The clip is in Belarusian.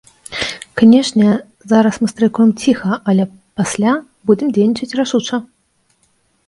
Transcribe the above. Канешне, зараз мы страйкуем ціха, але пасля будзем дзейнічаць рашуча.